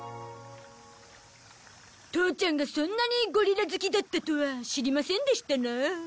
父ちゃんがそんなにゴリラ好きだったとは知りませんでしたなあ。